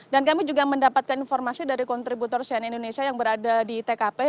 dan kami juga mendapatkan informasi dari kontributor sian indonesia yang berada di tkp